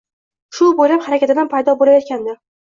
Shu bo’ylab harakatidan paydo bo’layotgandi.